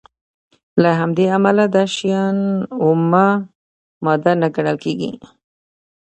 له همدې امله دا شیان اومه ماده نه ګڼل کیږي.